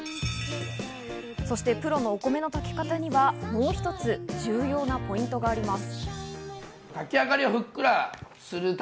そしてプロのお米の炊き方にはもう一つ重要なポイントがあります。